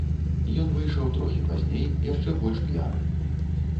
Ён выйшаў трохі пазней, яшчэ больш п'яны.